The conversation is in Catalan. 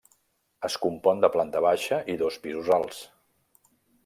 Es compon de planta baixa i dos pisos alts.